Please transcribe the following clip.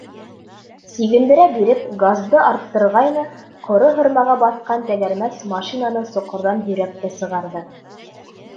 Сигендерә биреп, газды арттырғайны, ҡоро һырмаға баҫҡан тәгәрмәс машинаны соҡорҙан һөйрәп тә сығарҙы.